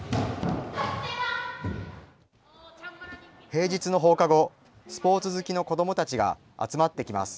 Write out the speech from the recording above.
平日の放課後、スポーツ好きの子どもたちが集まってきます。